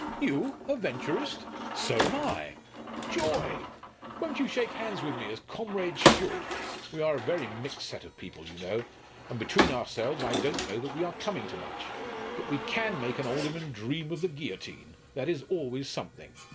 "You a Venturist? So am I. Joy! Won't you shake hands with me, as comrades should? We are a very mixed set of people, you know, and between ourselves I don't know that we are coming to much. But we can make an alderman dream of the guillotine that is always something.